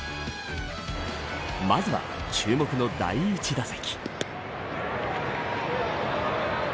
まずは、注目の第１打席。